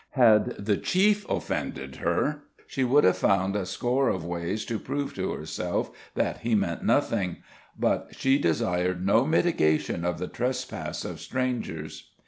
Had the chief offended her, she would have found a score of ways to prove to herself that he meant nothing; but she desired no mitigation of the trespass of strangers.